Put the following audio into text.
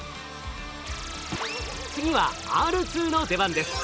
次はＲ２の出番です。